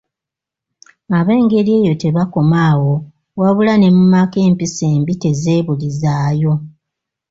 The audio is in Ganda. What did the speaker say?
Ab'engeri eyo tebakoma awo, wabula ne mu maka empisa embi tezeebulizaayo.